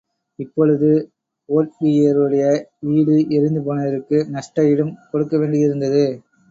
இப்பொழுது ஒட்வியருடைய வீடு எரிந்து போனதிற்கு நஷ்ட ஈடும் கொடுக்கவேண்டியிருந்தது.